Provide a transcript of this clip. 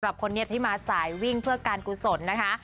สำหรับคนเนียดที่มาสายวิ่งเพื่อการกุศลนะคะ